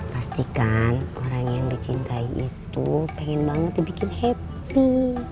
pastikan orang yang dicintai itu pengen banget dibikin happy